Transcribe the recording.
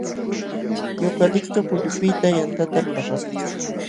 Yukaliptu kullupiqta yantata lulapaakun.